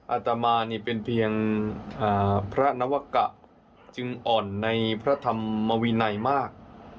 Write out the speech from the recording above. อาตมานี่เป็นเพียงพระนวกะจึงอ่อนในพระธรรมวินัยมาก